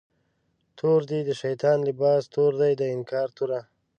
تور دی د شیطان لباس، تور دی د انکار توره